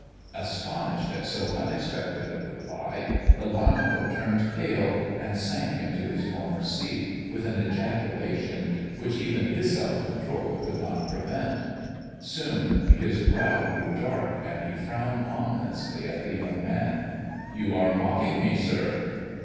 Astonished at so unexpected a reply, Lelanro turned pale, and sank into his former seat with an ejaculation, which even his self control could not prevent. Soon his brow grew dark, and he frowned ominously at the young man. You are mocking me, sir."